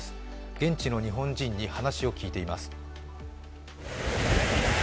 現地の日本人に話を聞いています。